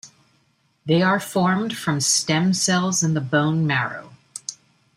They are formed from stem cells in the bone marrow.